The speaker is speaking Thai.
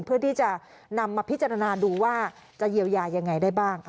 เพื่อที่จะนำมาพิจารณาดูว่าจะเยียวยายังไงได้บ้าง